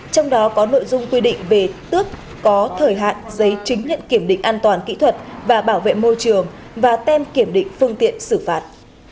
trong đó có nội dung quy định về tước có thời hạn giấy chứng nhận kiểm định an toàn kỹ thuật và bảo vệ môi trường và tem kiểm định phương tiện xử phạt